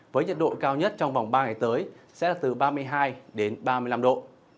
với nhiệt độ cao nhất trong vòng ba ngày tới sẽ là từ ba mươi hai đến ba mươi năm độ